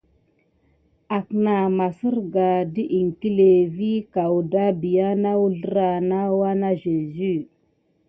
Aknah maserga det iŋklé vi kawda bia uzrlah na uwa na yezu.